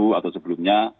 di tahun tahun sebelumnya